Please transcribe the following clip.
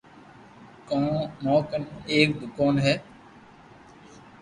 مون ڪني ايڪ دوڪون ھي